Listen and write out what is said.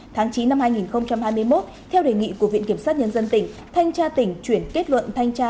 tháng chín năm hai nghìn hai mươi một theo đề nghị của viện kiểm sát nhân dân tỉnh thanh tra tỉnh chuyển kết luận thanh tra